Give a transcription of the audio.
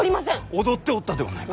踊っておったではないか！